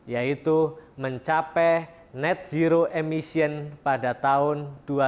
yaitu mencapai net zero emission pada tahun dua ribu dua puluh